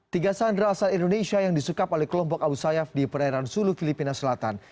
tiga sandra asal indonesia yang disukap oleh kelompok abu sayyaf di perairan sulu filipina selatan